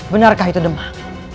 benarkah itu demak